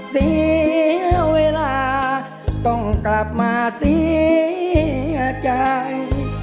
เสียเวลาต้องกลับมาเสียใจ